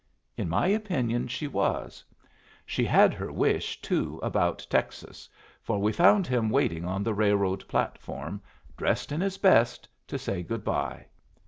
In my opinion she was. She had her wish, too about Texas; for we found him waiting on the railroad platform, dressed in his best, to say good bye.